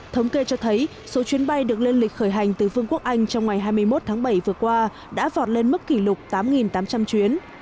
thống kê cho thấy số chuyến bay được lên lịch khởi hành từ vương quốc anh trong ngày hai mươi một tháng bảy vừa qua đã vọt lên mức kỷ lục tám tám trăm linh chuyến